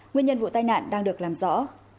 nguyên nhân vụ tai nạn đang được làm rõ